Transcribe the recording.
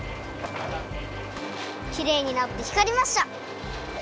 きれいになってひかりました。